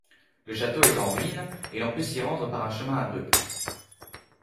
Le château est en ruine et l'on peut s'y rendre par un chemin abrupt.